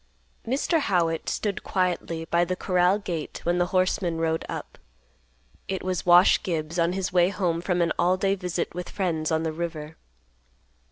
Mr. Howitt stood quietly by the corral gate when the horseman rode up. It was Wash Gibbs, on his way home from an all day visit with friends on the river.